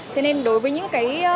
thế nên đối với những vấn đề này